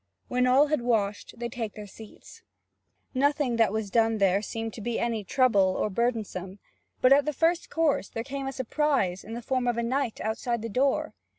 When all had washed, they take their seats. Nothing that was done there seemed to be any trouble or burdensome. But at the first course there came a surprise in the form of a knight outside the door.